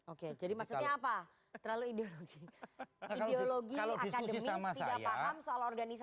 oke jadi maksudnya apa terlalu ideologi